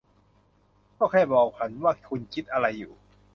ก็แค่บอกฉันว่าคุณคิดอะไรอยู่